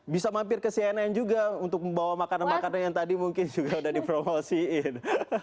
bisa mampir ke cnn juga untuk membawa makanan makanan yang tadi mungkin juga udah dipromosiin